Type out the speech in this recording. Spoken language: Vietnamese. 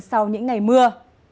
sau những ngày mưa